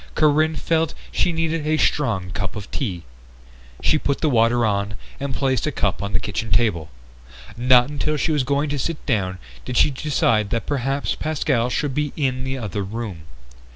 Corinne felt she needed a strong cup of tea. She put the water on and placed a cup on the kitchen table. Not until she was going to sit down did she decide that perhaps Pascal should be in the other room.